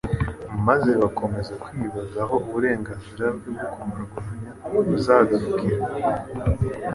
maze bakomeza kwibaza aho uburenganzira bwe bwo kubarwanya buzagarukira